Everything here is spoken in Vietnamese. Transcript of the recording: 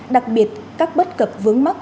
đặc biệt các bất cập vướng mắc